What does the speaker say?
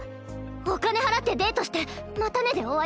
お金払ってデートして「またね」で終わり。